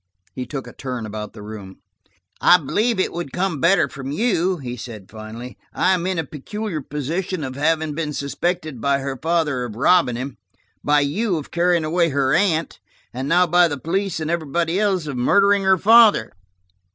He took a turn about the room. "I believe it would come better from you," he said finally. "I am in a peculiar position of having been suspected by her father of robbing him, by you of carrying away her aunt, and now by the police and everybody else of murdering her father."